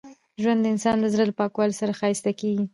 ژوند د انسان د زړه له پاکوالي سره ښایسته کېږي.